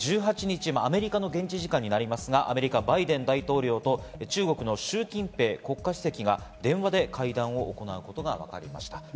１８日、アメリカの現地時間になりますがアメリカのバイデン大統領と中国のシュウ・キンペイ国家主席が電話で会談を行うことがわかりました。